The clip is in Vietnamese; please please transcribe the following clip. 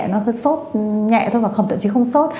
nó hơi sốt nhẹ thôi và không tậm chí không sốt